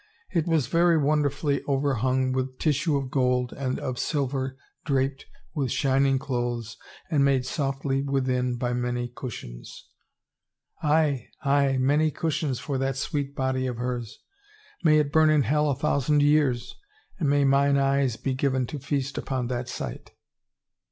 " It was very wonderfully overhung with tissue of gold and of silver and draped with 254 HAPPIEST OF WOMEN shining clothes and made softly within by many cush ions —" 4t Aye, aye — many cushions for that sweet body of hers! May it bum in hell a thousand years and may mine eyes be given to feast upon that sight."